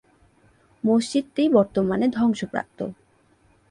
মসজিদটি বর্তমানে ধ্বংসপ্রাপ্ত।